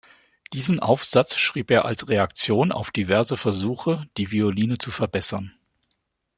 Diesen Aufsatz schrieb er als Reaktion auf diverse Versuche, die Violine zu „verbessern“.